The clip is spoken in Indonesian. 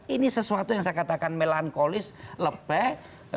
ini sesuatu yang saya katakan melankolis lebek